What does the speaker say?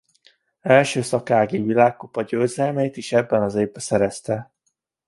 Első szakági világkupa-győzelmét is ebben az évben szerezte.